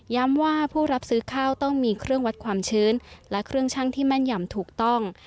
ว่าผู้รับซื้อข้าวต้องมีเครื่องวัดความชื้นและเครื่องชั่งที่แม่นยำถูกต้อง